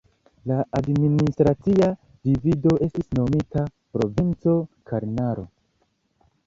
La administracia divido estis nomita Provinco Karnaro.